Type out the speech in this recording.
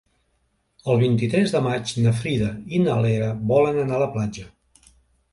El vint-i-tres de maig na Frida i na Lea volen anar a la platja.